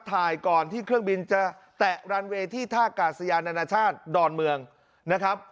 ถ่ายก่อนที่เครื่องบินจะแตะรันเวย์ที่ท่ากาศยานานาชาติดอนเมืองนะครับ